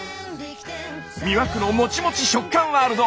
魅惑のもちもち食感ワールド。